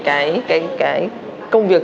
cái công việc